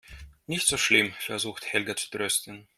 Ist nicht so schlimm, versucht Helga zu trösten.